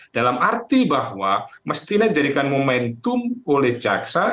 dalam arti bahwa mestinya dijadikan momentum oleh jaksa